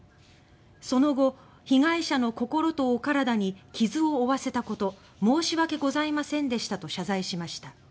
その後「被害者の心とお体に傷を負わせたこと申し訳ございませんでした」と謝罪しました。